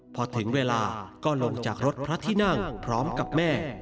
พอถึงเวลาก็ลงจากรถพระที่นั่งพร้อมกับแม่